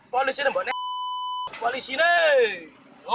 pengawang ditutup polisi ini mbak